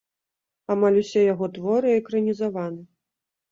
Амаль усе яго творы экранізаваны.